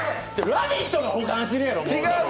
「ラヴィット！」の保管資料やろう？